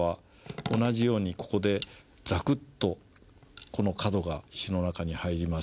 同じようにここでザクッとこの角が石の中に入ります。